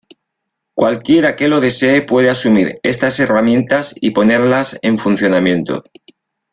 Cualquiera que lo desee puede asumir estas herramientas y ponerlas en funcionamiento.